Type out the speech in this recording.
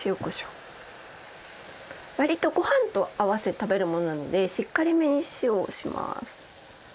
割とご飯と合わせて食べるものなのでしっかりめに塩をします。